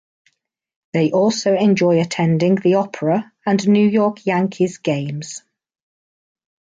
They also enjoy attending the opera and New York Yankees games.